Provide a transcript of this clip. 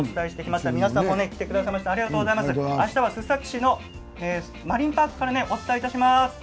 あしたは須崎市のマリンパークからお伝えします。